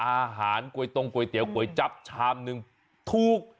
อาหารก๋วยตงก๋วยเตี๋ยวก๋วยจับชามนึงถูก